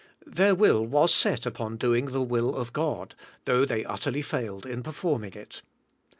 Their will was set upon doing the will of God, though they utterly failed in performing it.